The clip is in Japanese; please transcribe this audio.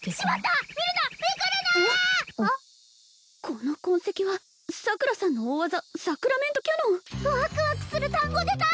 この痕跡は桜さんの大技サクラメントキャノンワクワクする単語出た！